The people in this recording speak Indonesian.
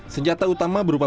senjata utama berupa